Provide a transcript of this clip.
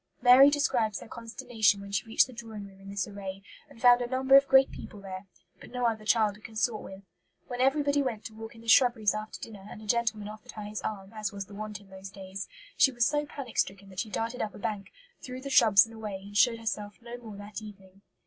Mary describes her consternation when she reached the drawing room in this array, and found "a number of great people" there, but no other child to consort with. When everybody went to walk in the shrubberies after dinner, and a gentleman offered her his arm, as was the wont in those days, she was so panic stricken that she darted up a bank, through the shrubs and away, and showed herself no more that evening.